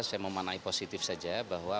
saya memanai positif saja bahwa